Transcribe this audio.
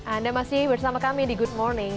anda masih bersama kami di good morning